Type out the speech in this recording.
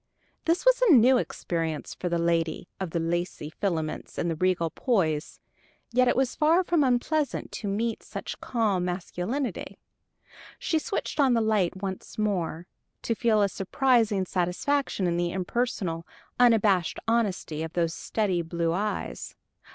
This was a new experience for the lady of the lacy filaments and regal poise; yet it was far from unpleasant to meet such calm masculinity. She switched on the light once more, to feel a surprising satisfaction in the impersonal, unabashed honesty of those steady blue eyes.